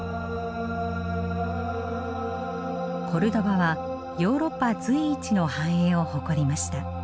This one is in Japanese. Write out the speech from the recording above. コルドバはヨーロッパ随一の繁栄を誇りました。